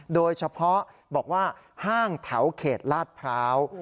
โดยเฉพาะบอกว่าห้างแถวเขตลาดพร้าว